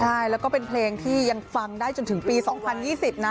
ใช่แล้วก็เป็นเพลงที่ยังฟังได้จนถึงปี๒๐๒๐นะ